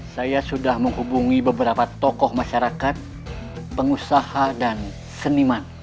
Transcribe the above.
saya sudah menghubungi beberapa tokoh masyarakat pengusaha dan seniman